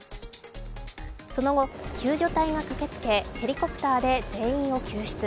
その後、救助隊が駆けつけヘリコプターで全員を救出。